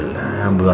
mau dibantun gak